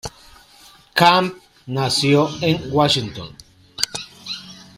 Camp nació en Washington.